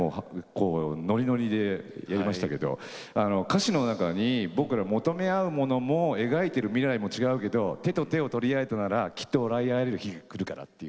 歌詞の中に僕ら求め合うものも描いてる未来も違うけど手と手を取り合えたならきっと笑い合える日が来るからっていうね